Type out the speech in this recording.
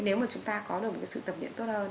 nếu mà chúng ta có được một sự tập luyện tốt hơn